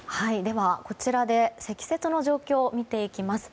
こちらで積雪の状況を見ていきます。